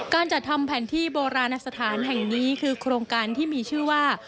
การจัดทำแผนที่โบราณสถานแห่งนี้คือโครงการที่มีชื่อว่า